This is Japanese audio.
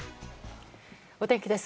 お天気です。